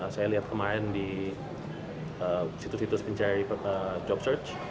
saya lihat kemarin di situs situs pencari job search